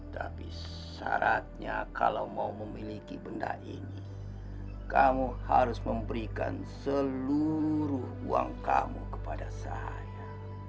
tapi syaratnya kalau mau memiliki benda ini kamu harus memberikan seluruh uang kamu kepada saya